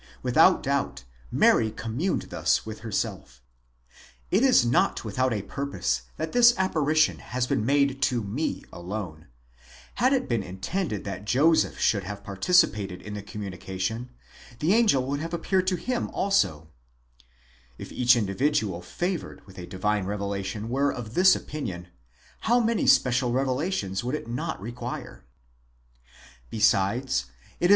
Without doubt Mary communed thus with herself: It is not without a purpose that this apparition has been made to me alone; had it been intended that Joseph should have participated in the communication, the angel would have appeared to him also (if each individual favoured with a divine revelation were of this opinion, how many special revelations would it not require ?); besides it is.